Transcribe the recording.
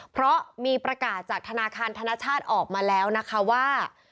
เพราะมีประกาศจากธนาคารธนชาติออกมาแล้วนะคะว่า